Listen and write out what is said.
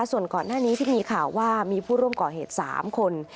ส่วนก่อนหน้านี้ที่มีข่าวว่ามีผู้ร่วมก่อเหตุ๓คน